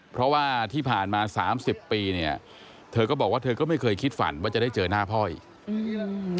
เพราะว่าที่ผ่านมาสามสิบปีเนี่ยเธอก็บอกว่าเธอก็ไม่เคยคิดฝันว่าจะได้เจอหน้าพ่ออีกอืม